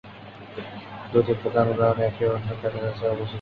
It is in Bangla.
দুটি প্রধান উদাহরণ একে অন্যের কাছাকাছি অবস্থিত।